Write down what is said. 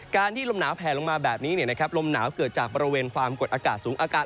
ที่ลมหนาวแผลลงมาแบบนี้ลมหนาวเกิดจากบริเวณความกดอากาศสูงอากาศ